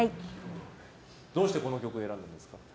どうしてこの曲を選んだんですか？